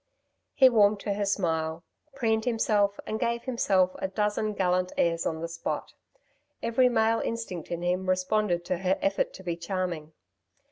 He warmed to her smile, preened himself and gave himself half a dozen gallant airs on the spot. Every male instinct in him responded to her effort to be charming.